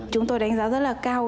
chúng tôi đánh giá rất là cao